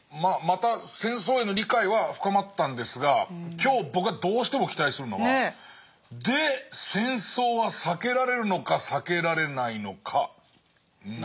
また戦争への理解は深まったんですが今日僕はどうしても期待するのはで戦争は避けられるのか避けられないのかなんですね。